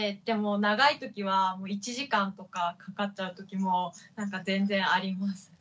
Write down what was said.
でも長い時は１時間とかかかっちゃう時も全然あります。